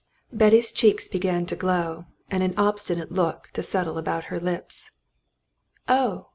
Betty's cheeks began to glow, and an obstinate look to settle about her lips. "Oh!"